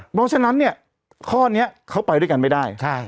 เพราะฉะนั้นเนี่ยข้อนี้เขาไปด้วยกันไม่ได้